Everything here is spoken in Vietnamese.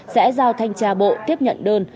sẽ giao thanh tra bộ tiếp nhận đơn